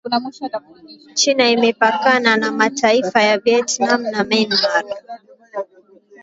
China imepakana na mataifa ya Vietnam na Myanmar